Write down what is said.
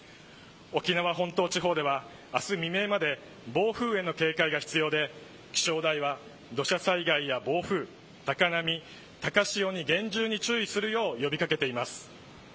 沖縄本島地方では、明日未明まで暴風への警戒が必要で気象台は土砂災害や暴風高波、高潮に厳重に注意するよう呼び掛けています。